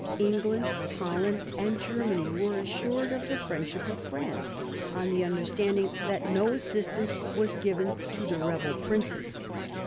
England, Holland, and Germany were assured of the friend ship of France, on the understanding that no assistance was given to the rebel princes.